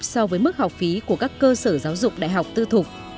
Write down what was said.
so với mức học phí của các cơ sở giáo dục đại học tư thục